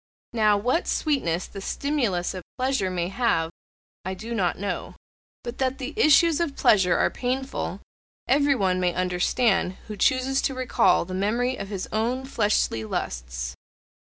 Now, what sweetness the stimulus of pleasure may have I do not know. But that the issues of pleasure are painful everyone may understand who chooses to recall the memory of his own fleshly lusts.